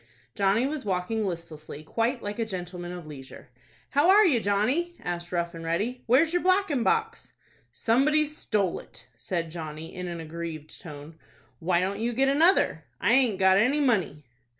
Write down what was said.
Johnny was walking listlessly, quite like a gentleman of leisure. "How are you, Johnny?" asked Rough and Ready. "Where's your blacking box?" "Somebody stole it," said Johnny, in an aggrieved tone. "Why don't you get another?" "I aint got any money."